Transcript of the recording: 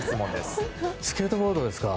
スケートボードですか。